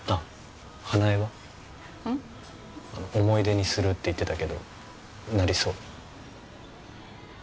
「思い出にする」って言ってたけどなりそう？